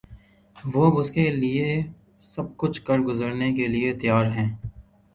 وہ اب اس کے لیے سب کچھ کر گزرنے کے لیے تیار ہیں۔